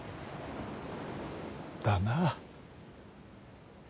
だな。